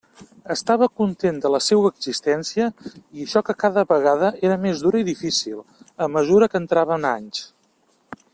Estava content de la seua existència, i això que cada vegada era més dura i difícil, a mesura que entrava en anys.